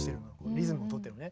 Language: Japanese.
リズムをとってるのね。